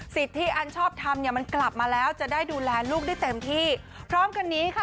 ที่อันชอบทำเนี่ยมันกลับมาแล้วจะได้ดูแลลูกได้เต็มที่พร้อมกันนี้ค่ะ